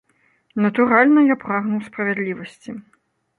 Натуральна, я прагнуў справядлівасці.